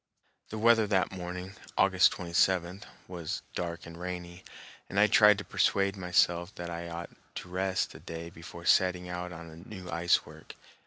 The weather that morning, August 27, was dark and rainy, and I tried to persuade myself that I ought to rest a day before setting out on new ice work.